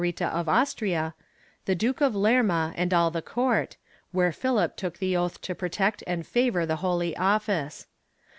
228 THE A UTO DE FE [Book VII of Austria, the Duke of Lerma and all the court, where Philip took the oath to protect and favor the Holy Office.